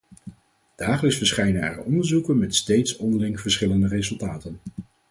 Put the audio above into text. Dagelijks verschijnen er onderzoeken met steeds onderling verschillende resultaten.